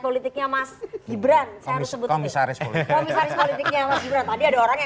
politiknya mas gibran saya harus sebut komisaris komisaris politiknya mas gibran tadi ada orang yang